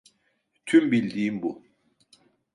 Tüm bildiğim bu.